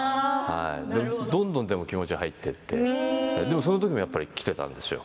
どんどん気持ちが入っていってでもその時も来てたんですよ